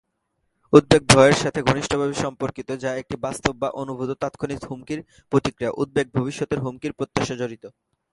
উদ্বেগ ভয়ের সাথে ঘনিষ্ঠভাবে সম্পর্কিত, যা একটি বাস্তব বা অনুভূত তাৎক্ষণিক হুমকির প্রতিক্রিয়া; উদ্বেগ ভবিষ্যতের হুমকির প্রত্যাশাজড়িত।